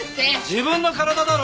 自分の体だろ！